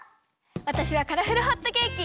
わたしはカラフルホットケーキ！